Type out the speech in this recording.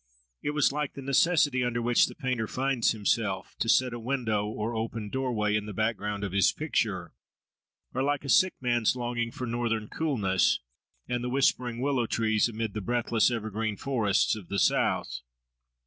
It was like the necessity under which the painter finds himself, to set a window or open doorway in the background of his picture; or like a sick man's longing for northern coolness, and the whispering willow trees, amid the breathless evergreen forests of the south.